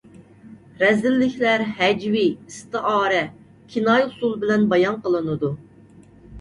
رەزىللىكلەر ھەجۋىي، ئىستىئارە، كىنايە ئۇسۇلى بىلەن بايان قىلىنىدۇ.